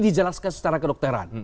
dijelaskan secara kedokteran